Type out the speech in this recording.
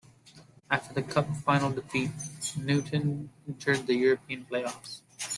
After the cup final defeat, Newtown entered the European play-offs.